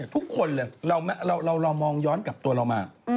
ทุกคนเลยเรามองย้อนกับตัวเรามา